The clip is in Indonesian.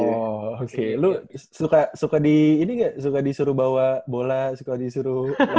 oh oke lu suka disuruh bawa bola suka disuruh